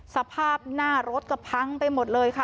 สภาพหน้ารถก็พังไปหมดเลยค่ะ